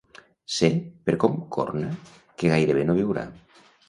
Sé, per com corna, que gaire no viurà.